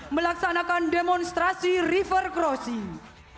melaksanakan demonstrasi river crossing